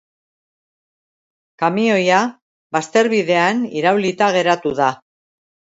Kamioia bazterbidean iraulita geratu da.